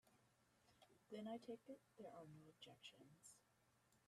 Then I take it there are no objections.